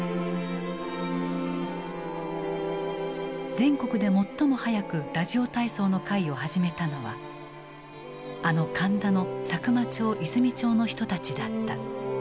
全国で最も早くラジオ体操の会を始めたのはあの神田の佐久間町・和泉町の人たちだった。